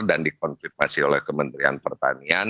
dan dikonservasi oleh kementerian pertanian